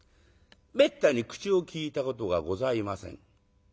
めったに口を利いたことがございません。